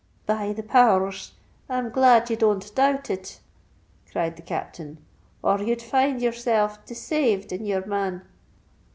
"By the power rs, I'm glad ye don't doubt it!" cried the Captain; "or you'd find yerself desayved in yer man.